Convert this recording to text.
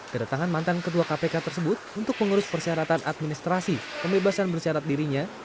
kedatangan mantan ketua kpk tersebut untuk mengurus persyaratan administrasi pembebasan bersyarat dirinya